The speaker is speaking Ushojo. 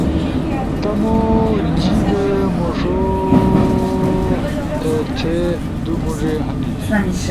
تمو جیِبا مُوݜو ایتھے۔ دُو مُوڙے ہنے۔